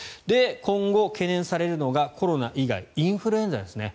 今後、懸念されるのがコロナ以外インフルエンザですね。